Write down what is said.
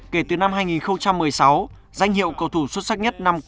kể từ năm hai nghìn một mươi sáu danh hiệu cầu thủ xuất sắc nhất năm quốc